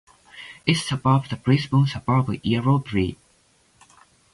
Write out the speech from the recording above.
It serves the Brisbane suburb of Yeerongpilly.